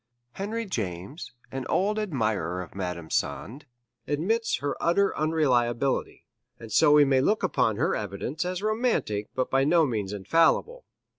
Henry James, an old admirer of Madame Sand, admits her utter unreliability, and so we may look upon her evidence as romantic but by no means infallible.